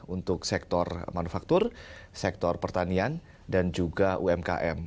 untuk sektor manufaktur sektor pertanian dan juga umkm